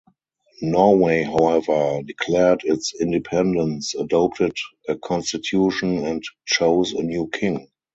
Norway, however, declared its independence, adopted a constitution and chose a new king.